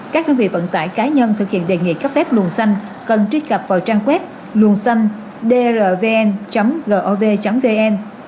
các đơn vị vận tải cá nhân thực hiện đề nghị cấp phép luồng xanh cần truy cập vào trang web luồng xanh drvn gov vn